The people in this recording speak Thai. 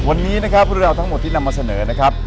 วันนี้นะครับเรื่องราวทั้งหมดที่นำมาเสนอนะครับ